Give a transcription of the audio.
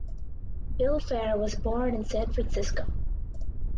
Bill Fair was born in San Francisco.